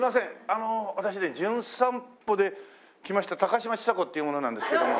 あの私ね『じゅん散歩』で来ました高嶋ちさ子っていう者なんですけども。